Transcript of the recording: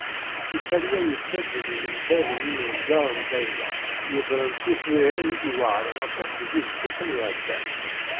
Isalli-a yussa-d deg lmendad n yimezdaɣ n ddayra, yeddren tiswiεin i iweεren aṭas deg yiseggasen iεeddan.